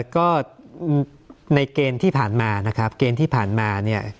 ก็ในเกณฑ์ที่ผ่านมานะครับเกณฑ์ที่ผ่านมาเนี่ย